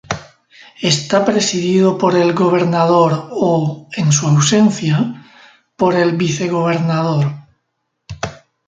Está presidido por el gobernador o, en su ausencia, por el vicegobernador.